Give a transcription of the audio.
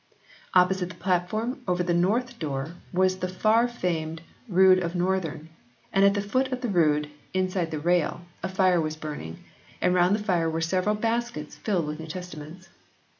Opposite the plat form over the north door was the far famed Rood of Northen, and at the foot of the rood, inside the rail, a fire was burning, and round the fire were several baskets filled with New Testaments.